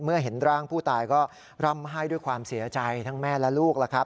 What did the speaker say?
เมื่อเห็นร่างผู้ตายก็ร่ำให้ด้วยความเสียใจทั้งแม่และลูก